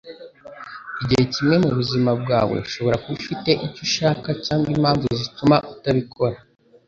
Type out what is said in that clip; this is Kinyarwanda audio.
Igihe kimwe mu buzima bwawe ushobora kuba ufite icyo ushaka cyangwa impamvu zituma utabikora.”